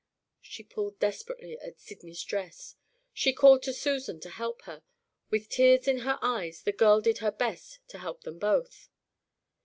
She pulled desperately at Sydney's dress; she called to Susan to help her. With tears in her eyes, the girl did her best to help them both.